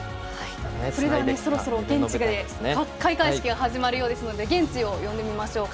それではそろそろ現地で開会式が始まるようですので現地を呼んでみましょう。